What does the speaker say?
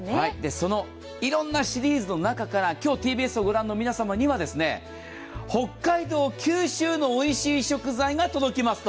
そのいろんなシリーズの中から、今日、ＴＢＳを御覧の皆様には北海道、九州のおいしい食材が届きます。